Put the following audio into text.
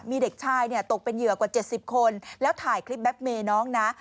มีเด็กชายเนี่ยตกเป็นเหยื่อกว่า๗๐คนแล้วถ่ายคลิปแบ็คเมย์น้องนะ